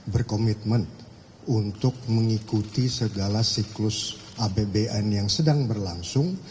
berkomitmen untuk mengikuti segala siklus apbn yang sedang berlangsung